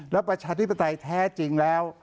และประชาธิปไตยแท้จริงแล้ว